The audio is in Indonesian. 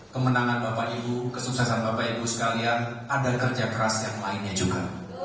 kemenangan bapak ibu kesuksesan bapak ibu sekalian ada kerja keras yang lainnya juga